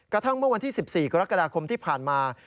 กระทั่งเมื่อวันที่๑๔กรกฎาคมที่ผ่านมา